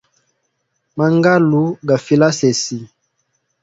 Mangalu, gafile asesi.